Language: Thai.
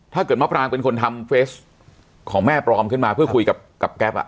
ถ้าเกิดมะปรางเป็นคนทำเฟสของแม่ปลอมขึ้นมาเพื่อคุยกับแก๊ป